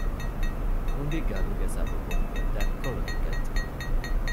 ކުނޑިގަލުގެ ސަބަބުން ދަތްކޮޅު ހިނގައްޖެ